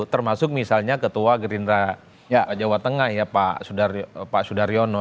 termasuk misalnya ketua gerindra jawa tengah ya pak sudaryono